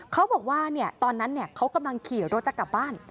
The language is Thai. เขาบอกว่าตอนนั้นเขากำลังขี่รถจะกลับบ้าน